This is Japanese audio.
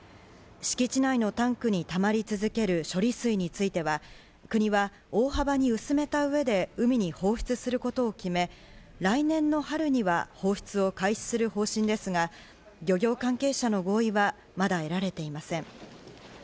敷地内のタンクにたまり続ける処理水については、国は大幅に薄めた上で海に放出することを決め、来年の春には放出を開始する方針ですが、漁業関係者の合意はまだ得られていません。